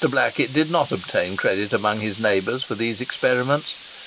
Blackett did not obtain credit amongst his neighbours for these experiments.